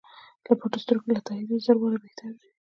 له پټو سترګو له تاییده زر واره بهتر دی.